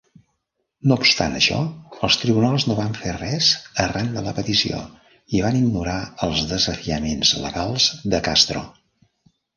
No obstant això, els tribunals no van fer res arran de la petició i van ignorar els desafiaments legals de Castro.